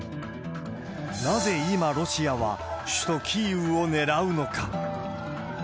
なぜ今、ロシアは首都キーウを狙うのか。